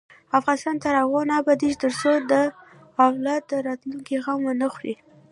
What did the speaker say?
افغانستان تر هغو نه ابادیږي، ترڅو د اولاد د راتلونکي غم ونه خورئ.